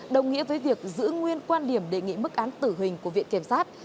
đồng nghĩa với việc giữ nguyên quan điểm đề nghị mức án tử hình của viện kiểm sát